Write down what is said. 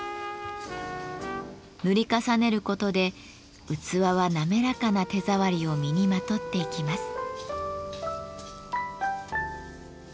塗り重ねることで器は滑らかな手触りを身にまとっていきます。